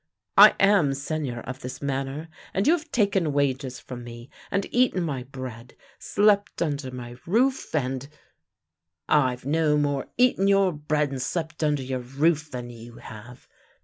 " I am Seigneur of this manor, and you have taken wages from me and eaten my bread, slept under my roof, and " 80 THE LANE THAT HAD NO TURNING " I've no more eaten your bread and slept under your roof than you have.